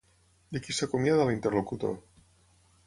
De qui s'acomiada l'interlocutor?